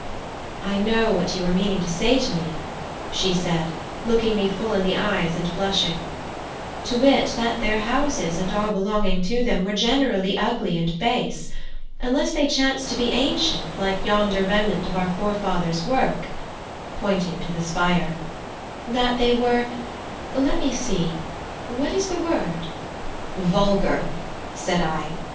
I know what you are meaning to say to me," she said, looking me full in the eyes and blushing, "to wit that their houses and all belonging to them were generally ugly and base, unless they chanced to be ancient like yonder remnant of our forefathers' work" (pointing to the spire); "that they were let me see; what is the word?" "Vulgar," said I.